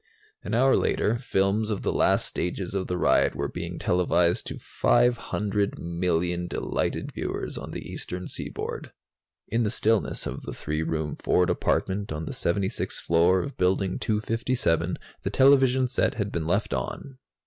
An hour later, films of the last stages of the riot were being televised to 500,000,000 delighted viewers on the Eastern Seaboard. In the stillness of the three room Ford apartment on the 76th floor of Building 257, the television set had been left on.